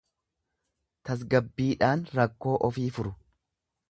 Tasgabbiidhaan rakkoo ofii furu.